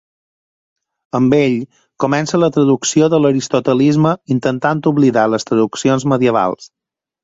Amb ell comença la traducció de l'aristotelisme intentant oblidar les traduccions medievals.